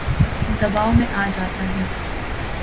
دباو میں آ جاتا ہوں